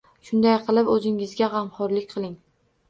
Shunday qilib, o'zingizga g'amxo'rlik qiling